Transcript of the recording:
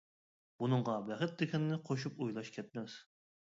بۇنىڭغا بەخت دېگەننى قوشۇپ ئويلاش كەتمەس.